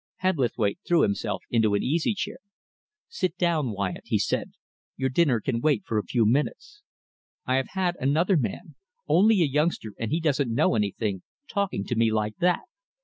Hebblethwaite threw himself into an easy chair. "Sit down, Wyatt," he said. "Your dinner can wait for a few minutes. I have had another man only a youngster, and he doesn't know anything talking to me like that.